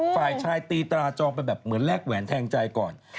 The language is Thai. ฝ่ายชายตีตราจองเป็นแบบแหลกแหวนแทงใจก่อน